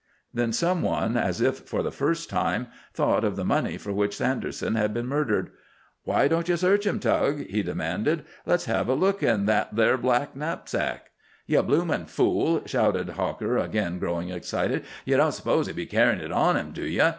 Then some one, as if for the first time, thought of the money for which Sanderson had been murdered. "Why don't ye search him, Tug?" he demanded. "Let's hev a look in that there black knapsack." "Ye bloomin' fool," shouted Hawker, again growing excited, "ye don't s'pose he'd be carryin' it on him, do ye?